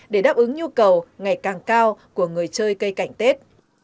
để đáp ứng nhu cầu ngày càng cao của người chơi cây cảnh tết